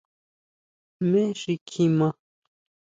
¿Jmé xi kjima?